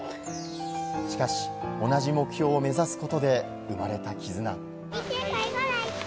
しかし、同じ目標を目指すことで、生まれた絆。